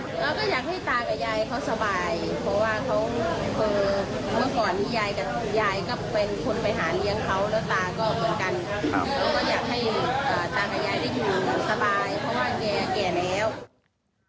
เราก็อยากให้ตากับยายได้อยู่สบายเพราะว่าเกียร์แล้ว